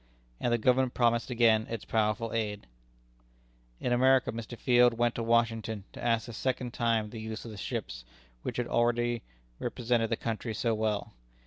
And the Government promised again its powerful aid. In America, Mr. Field went to Washington to ask a second time the use of the ships, which had already represented the country so well.